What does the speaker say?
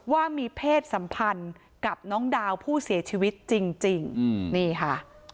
ว่ามีเพศสัมพันธ์กับน้องดาวผู้เสียชีวิตจริงนี่ค่ะ